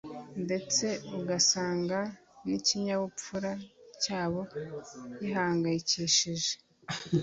ndetse ugasanga n’ikinyabupfura cyabo gihangayikishije